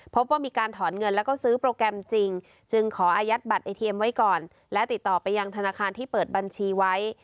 พบว่ามีการถอนเงินแล้วก็ซื้อโปรแกรมจริงจึงขออายัดบัตรไอเทียมไว้ก่อนและติดต่อไปยังธนาคารที่เปิดบัญชีไว้